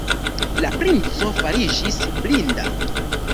La princo fariĝis blinda.